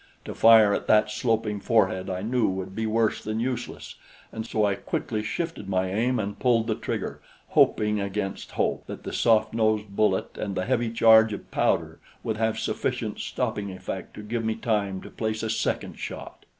To fire at that sloping forehead I knew would be worse than useless, and so I quickly shifted my aim and pulled the trigger, hoping against hope that the soft nosed bullet and the heavy charge of powder would have sufficient stopping effect to give me time to place a second shot.